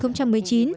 ông lại nói rằng